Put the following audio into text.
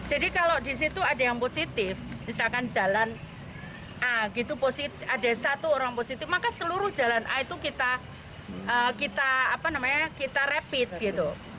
jadi kalau di situ ada yang positif misalkan jalan a gitu ada satu orang positif maka seluruh jalan a itu kita rapid gitu